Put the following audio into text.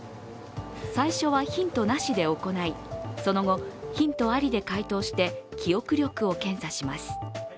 最初はヒントなしで行い、その後、ヒントありで回答して記憶力を検査します。